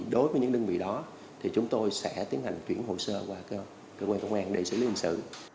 đối với những đơn vị đó thì chúng tôi sẽ tiến hành chuyển hồ sơ qua cơ quan công an để xử lý hình sự